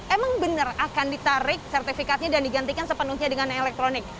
emang benar akan ditarik sertifikatnya dan digantikan sepenuhnya dengan elektronik